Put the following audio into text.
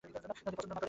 যদি পছন্দ না করে?